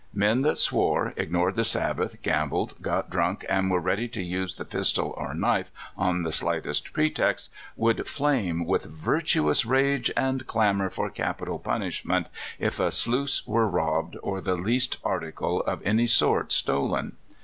Men that swore, ignored the Sabbath, gambled, got drunk, and were ready to use the pistol or knife on the slightest pretext, would flame with virtuous rage, and clamor for capital punish ment, if a sluice w^ere robbed, or the least article of any sort stolen.